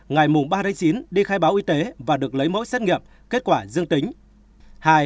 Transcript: ngày ba chín đi khai báo y tế và được lấy mẫu xét nghiệm kết quả dương tính